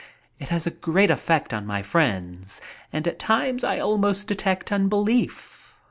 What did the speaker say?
It has a great effect on my friends and at times I almost detect unbelief.